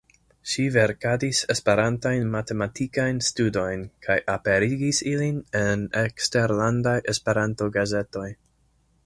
Ŝi verkadis Esperantajn matematikajn studojn kaj aperigis ilin en eksterlandaj Esperanto-gazetoj.